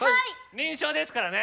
輪唱ですからね。